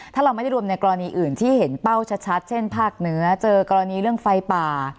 ถ้าเราไม่ได้รวมในกรณีอื่นที่เห็นเป้าชัดเช่นภาคเหนือเจอกรณีเรื่องไฟป่า